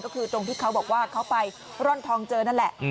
ก็คือตรงที่เขาบอกว่าเขาไปร่อนทองเจอนั่นแหละ